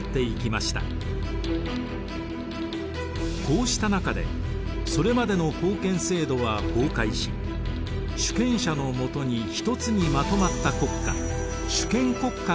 こうした中でそれまでの封建制度は崩壊し主権者のもとに一つにまとまった国家主権国家が生まれます。